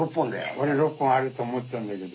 おれ６本あると思ってたんだけど。